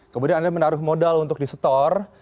kemudian anda menaruh modal untuk di store